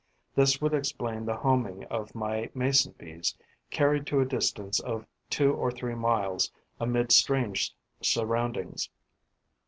This would explain the homing of my Mason bees carried to a distance of two or three miles amid strange surroundings.